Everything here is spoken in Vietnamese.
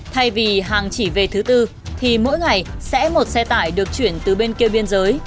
thay vì hàng chỉ về thứ tư thì mỗi ngày sẽ một xe tải được chuyển từ bên kia biên giới